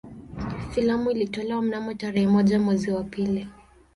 Filamu ilitolewa mnamo tarehe moja mwezi wa pili